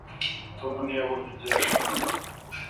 tom ntiyabonye icyo yashakaga